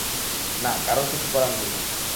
না, কারোর কিছু করার নেই।